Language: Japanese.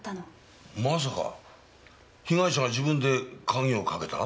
まさか被害者が自分で鍵をかけた？